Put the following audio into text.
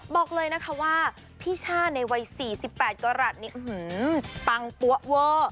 บอกเลยนะคะว่าพี่ช่าในวัยสี่สิบแปดกว่ารัฐนี้อื้อหือปังตัวเว้อ